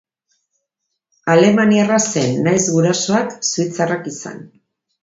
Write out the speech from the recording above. Alemaniarra zen, nahiz gurasoak suitzarrak izan.